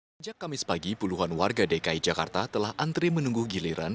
sejak kamis pagi puluhan warga dki jakarta telah antri menunggu giliran